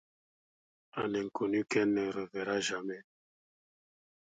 Un inconnu qu'elle ne reverra jamais.